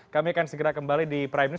kami akan segera kembali di prime news